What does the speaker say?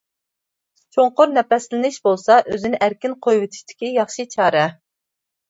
چوڭقۇر نەپەسلىنىش بولسا ئۆزىنى ئەركىن قويۇۋېتىشتىكى ياخشى چارە.